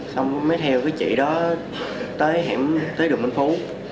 xong mới theo cái chị đó tới hẻm tới đường minh phú